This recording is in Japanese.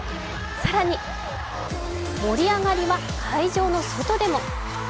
更に盛り上がりは会場の外でも。